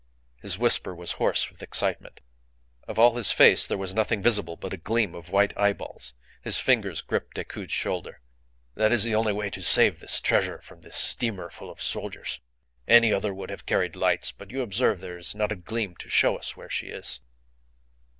His whisper was hoarse with excitement. Of all his face there was nothing visible but a gleam of white eyeballs. His fingers gripped Decoud's shoulder. "That is the only way to save this treasure from this steamer full of soldiers. Any other would have carried lights. But you observe there is not a gleam to show us where she is."